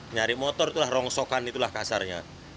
nyari motor itulah rongsokan itulah kasarnya